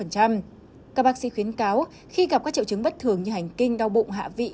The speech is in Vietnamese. các bác sĩ khuyến cáo khi gặp các triệu chứng bất thường như hành kinh đau bụng hạ vị